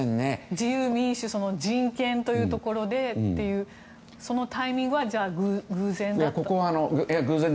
自由、民主、人権というところでそのタイミングは偶然だと？